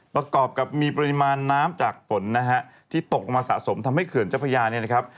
ประกอบกับมีปริมาณน้ำจากฝนนะฮะที่ตกลงมาสะสมทำให้เขื่อนเจ้าพระยาเนี่ยนะครับ